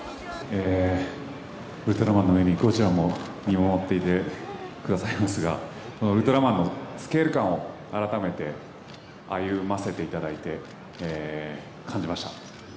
ウルトラマンの上にゴジラも見守っていてくださいますが、ウルトラマンのスケール感を改めて歩ませていただいて、感じました。